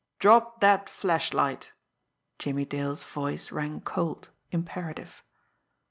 "Drop that flashlight!" Jimmie Dale's voice rang cold, imperative.